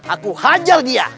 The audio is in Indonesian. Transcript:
aku hajar dia